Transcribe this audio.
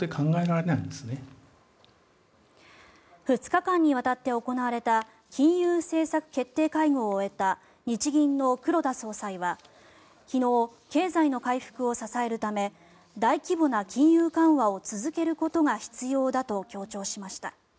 ２日間にわたって行われた金融政策決定会合を終えた日銀の黒田総裁は昨日、経済の回復を支えるため大規模な金融緩和を続けることが必要だと強調しました。